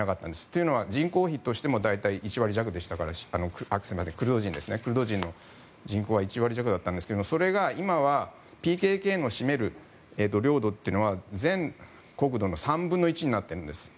というのは人口比としても大体１割弱でしたからクルド人の人口が１割弱だったんですがそれは今はＰＫＫの占める領土というのは全国土の３分の１になっているんです。